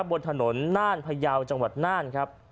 บนถนนน่านพยาวจังหวัดน่านครับ